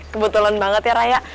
kebetulan banget ya raya